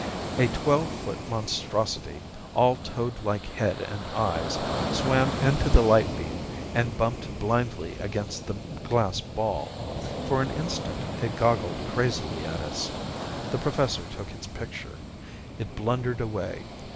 A twelve foot monstrosity, all toad like head and eyes, swam into the light beam and bumped blindly against the glass ball. For an instant it goggled crazily at us. The Professor took its picture. It blundered away.